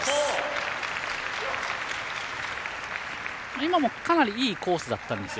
今もかなりいいコースだったんですよ。